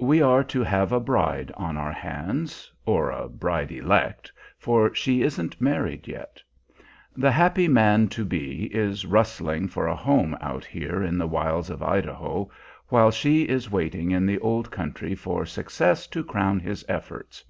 We are to have a bride on our hands, or a bride elect, for she isn't married yet. The happy man to be is rustling for a home out here in the wilds of Idaho while she is waiting in the old country for success to crown his efforts.